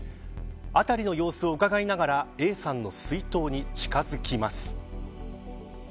辺りの様子をうかがいながらＡさんの水筒に近づきます。